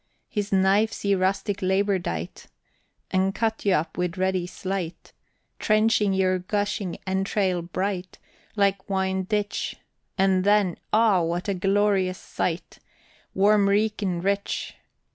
His knife see rustic labor dight, An' cut you up with ready slight, Trenching your gushing entrail bright Like onie ditch, And then, O! what a glorious sight, Warm reekin' rich.